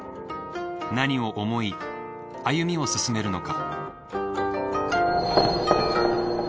何を思い歩みを進めるのか。